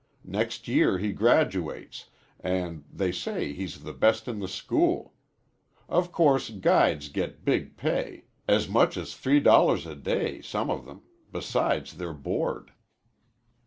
Next year he graduates, and they say he's the best in the school. Of course, guides get big pay as much as three dollars a day, some of them besides their board."